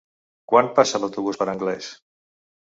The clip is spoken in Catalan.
Quan passa l'autobús per Anglès?